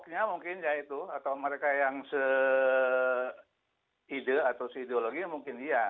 ya itu mungkin itu bisa menjadi sebuah ide atau se ideologi mungkin ya